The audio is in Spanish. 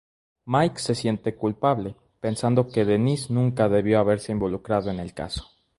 Mike se siente culpable, pensando que Denise nunca debió haberse involucrado en el caso.